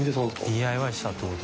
ＤＩＹしたってこと？